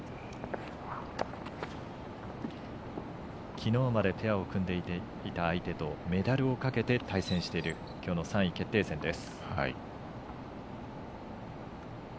きのうまでペアを組んでいた相手とメダルをかけて対戦しているきょうの３位決定戦です。